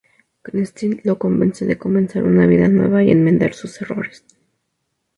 Kristine lo convence de comenzar una vida nueva y enmendar sus errores.